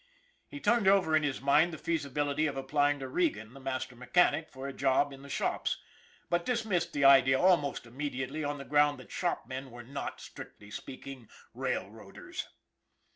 He turned over in his mind the feasibility of apply ing to Regan, the master mechanic, for a job in the shops, but dismissed the idea almost immediately on the ground that shop men were not, strictly speaking, railroaders.